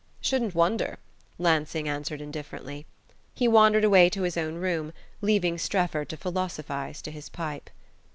"Shouldn't wonder," Lansing answered indifferently. He wandered away to his own room, leaving Strefford to philosophize to his pipe.